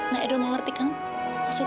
nah edo mengerti kan maksud tante